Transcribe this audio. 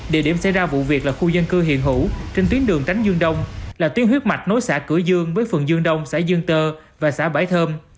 địa điểm xảy ra vụ việc là khu dân cư hiện hữu trên tuyến đường tránh dương đông là tuyến huyết mạch nối xã cửa dương với phường dương đông xã dương tơ và xã bãi thơm